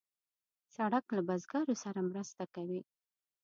سړک له بزګرو سره مرسته کوي.